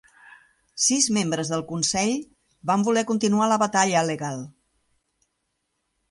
Sis membres del consell van voler continuar la batalla legal.